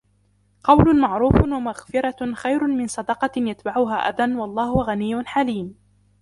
قَوْلٌ مَعْرُوفٌ وَمَغْفِرَةٌ خَيْرٌ مِنْ صَدَقَةٍ يَتْبَعُهَا أَذًى وَاللَّهُ غَنِيٌّ حَلِيمٌ